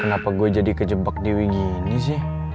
kenapa gue jadi kejebak diwi gini sih